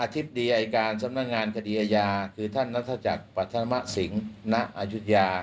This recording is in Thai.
อธิบดีอายการสำนักงานคติอาญาคือท่านนัคทราจักรปัชธรรมสิงษ์ณอจุฯ